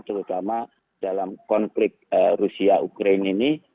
terutama dalam konflik rusia ukraine ini